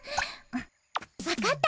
分かった。